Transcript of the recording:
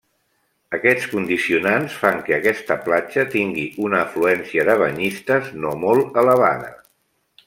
Aquests condicionants fan que aquesta platja tingui una afluència de banyistes no molt elevada.